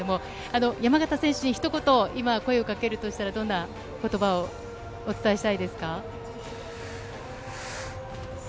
山縣選手に一言、声をかけるとしたらどんな言葉をお伝えしたいですか？